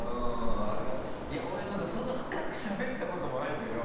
いや俺なんかそんな深くしゃべったこともないけど。